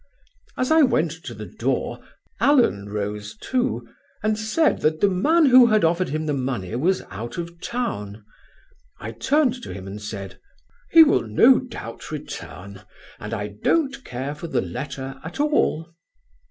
As I went to the door Allen rose too, and said that the man who had offered him the money was out of town. I turned to him and said: "'He will no doubt return, and I don't care for the letter at all.'